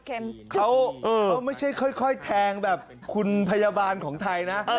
เขาไม่ใช่ค่อยแทงแบบคุณพยาบาลของไทยนะ